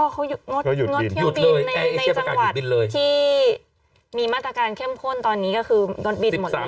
เขางดเที่ยวบินในจังหวัดที่มีมาตรการเข้มข้นตอนนี้ก็คืองดบินหมดแล้ว